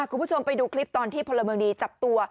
คุณผู้ชมไปดูคลิปตอนที่พลเมืองดีจับตัว